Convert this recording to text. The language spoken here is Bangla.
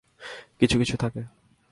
কিছু কিছু থাকে।